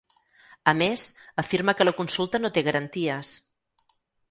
A més, afirma que la consulta no té garanties.